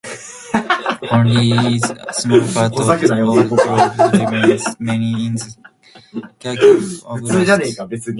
Only a small part of the old groves remains, mainly in the Kharkiv Oblast.